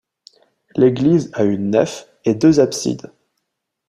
L'église a une nef et deux absides.